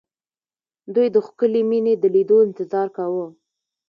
دوی د ښکلې مينې د ليدو انتظار کاوه